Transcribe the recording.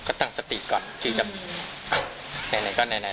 ก็ตั้งสติก่อนกินในก็ในไหน